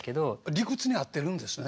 理屈に合ってるんですね。